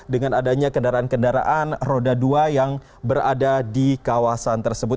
dengan adanya kendaraan kendaraan roda dua yang berada di kawasan tersebut